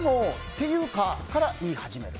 「ていうか」から言い始める。